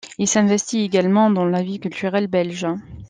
Il s’investit également dans la vie culturelle belge.